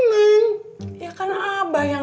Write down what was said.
ya kan abah yang duluan ngomongnya si neng